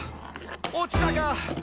落ちたか！」